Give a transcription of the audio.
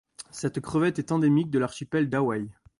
Cette crevette est endémique de l'archipel d'Hawaï.